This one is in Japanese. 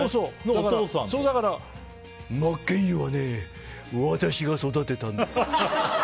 だか真剣佑はね、私が育てたんです。